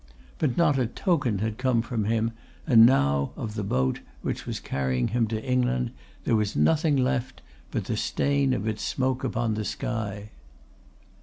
But not a token had come from him and now of the boat which was carrying him to England there was nothing left but the stain of its smoke upon the sky.